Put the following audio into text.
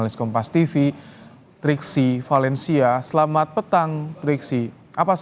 dia memiliki kesehatan di kota yang tersebut